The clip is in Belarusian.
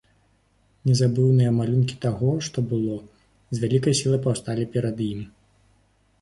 Незабыўныя малюнкі таго, што было, з вялікай сілай паўставалі перад ім.